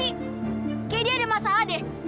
nih kayaknya dia ada masalah deh